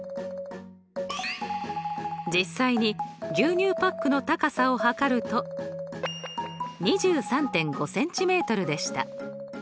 実際に牛乳パックの高さを測ると２３．５ｃｍでした。